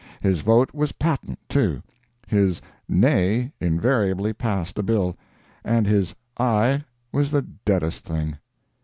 His vote was patent, too; his "nay" invariably passed a bill, and his "aye" was the deadest thing!